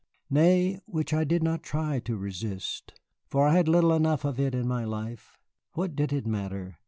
Nay, which I did not try to resist, for I had little enough of it in my life. What did it matter?